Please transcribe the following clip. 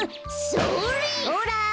それ！